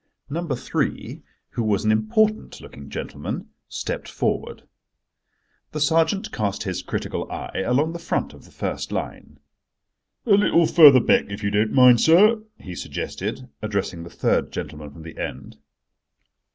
Number three, who was an important looking gentleman, stepped forward. The sergeant cast his critical eye along the front of the first line. "A little further back, if you don't mind, sir," he suggested, addressing the third gentleman from the end.